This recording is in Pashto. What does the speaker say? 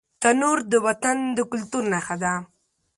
تنور د وطن د کلتور نښه ده